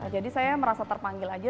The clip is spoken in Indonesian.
jadi saya merasa terpanggil aja